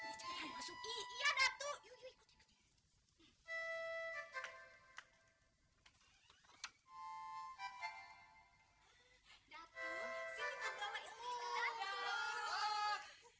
datu siti kandung sama istri istri